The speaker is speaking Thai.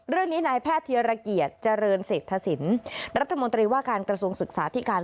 เรื่องนี้นายแพทย์เทียรเกียรติเจริญเศรษฐศิลป์รัฐมนตรีว่าการกระทรวงศึกษาที่การ